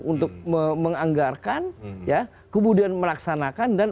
untuk menganggarkan ya kemudian melaksanakan dan